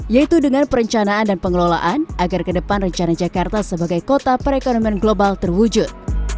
yaitu dengan perencanaan dan pengelolaan agar ke depan rencana jakarta sebagai kota perekonomian global terwujud